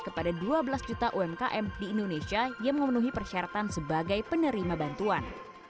kepada dua belas juta umkm di indonesia yang memenuhi persyaratan sebagai penerima bantuan